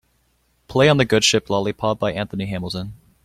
play on the good ship lollipop by Anthony Hamilton